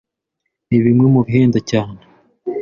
ni bimwe mu bihenda cyane,